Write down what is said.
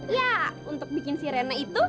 ya untuk bikin si rena itu